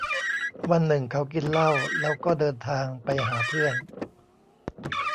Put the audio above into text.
วันหนึ่งเขากินเหล้าแล้วก็เดินทางไปหาเพื่อน